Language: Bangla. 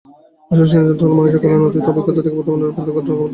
আসলে সৃজনশীলতা হলো মানুষের কল্যাণে অতীত অভিজ্ঞতাকে বর্তমানে রূপান্তর ঘটানোর ক্ষমতা।